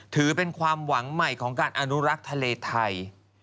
ถือเป็นความหวังใหม่ของการอนุรักษ์ทะเลไทย